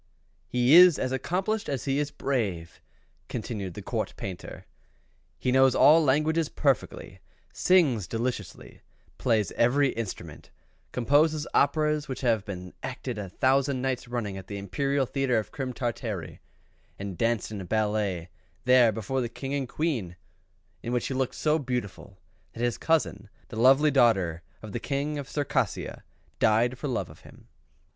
"He is as accomplished as he is brave," continued the Painter. "He knows all languages perfectly: sings deliciously: plays every instrument: composes operas which have been acted a thousand nights running at the Imperial Theatre of Crim Tartary, and danced in a ballet there before the King and Queen; in which he looked so beautiful, that his cousin, the lovely daughter of the King of Circassia, died for love of him."